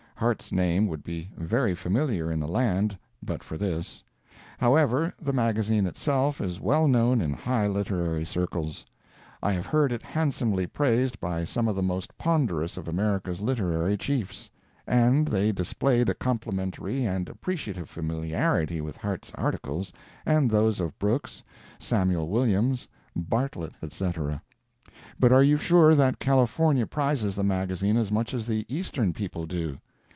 Harte's name would be very familiar in the land but for this. However, the magazine itself is well known in high literary circles. I have heard it handsomely praised by some of the most ponderous of America's literary chiefs; and they displayed a complimentary and appreciative familiarity with Harte's articles, and those of Brooks, Sam. Williams, Bartlett, etc. But are you sure that California prizes the magazine as much as the Eastern people do?